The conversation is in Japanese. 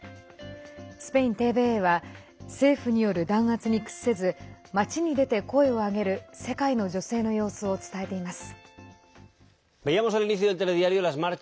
スペインＴＶＥは政府による弾圧に屈せず町に出て声を上げる世界の女性の様子を伝えています。